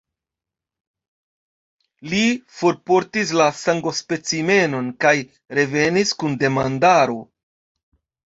Li forportis la sangospecimenon, kaj revenis kun demandaro.